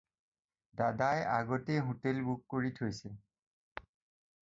দাদাই আগতেই hotel book কৰি থৈছে।